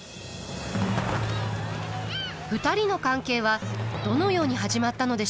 ２人の関係はどのように始まったのでしょうか。